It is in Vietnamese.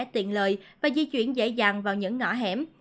tiện lợi và di chuyển dễ dàng vào những ngõ hẻm